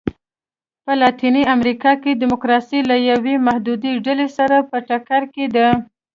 په لاتینه امریکا کې ډیموکراسي له یوې محدودې ډلې سره په ټکر کې ده.